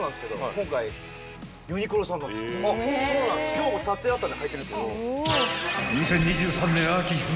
今日も撮影あったんではいてるんですけど。